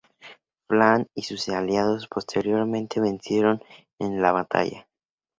Flann y sus aliados posteriormente vencieron en la batalla.